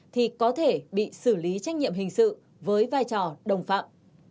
thì có thể bị xử lý trách nhiệm hình sự với vai trò đồng phạm